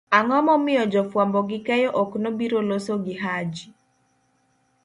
ang'o momiyo jofwambo gi keyo ok nobiro losogihaji?